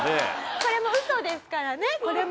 これもウソですから。